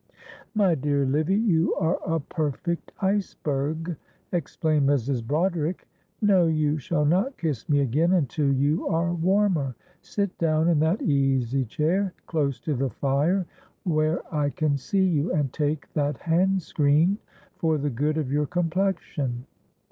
"My dear Livy, you are a perfect iceberg!" exclaimed Mrs. Broderick. "No, you shall not kiss me again until you are warmer. Sit down in that easy chair close to the fire where I can see you, and take that handscreen for the good of your complexion.